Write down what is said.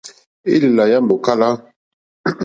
Élèlà yá mòkálá.